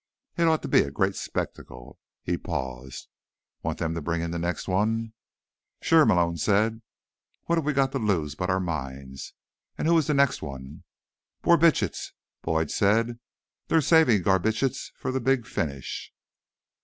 It ought to be a great spectacle." He paused. "Want them to bring in the next one?" "Sure," Malone said. "What have we got to lose but our minds? And who is the next one?" "Borbitsch," Boyd said. "They're saving Garbitsch for a big finish."